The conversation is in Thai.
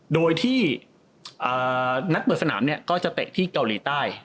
โดยที่นัดเปิดสนามก็จะเตะที่เกาหลีใต้